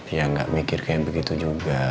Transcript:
ya tidak mikir seperti itu juga